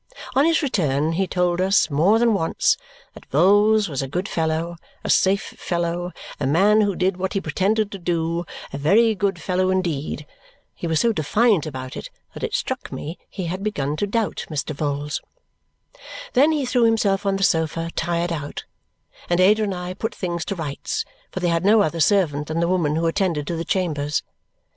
On his return he told us, more than once, that Vholes was a good fellow, a safe fellow, a man who did what he pretended to do, a very good fellow indeed! He was so defiant about it that it struck me he had begun to doubt Mr. Vholes. Then he threw himself on the sofa, tired out; and Ada and I put things to rights, for they had no other servant than the woman who attended to the chambers.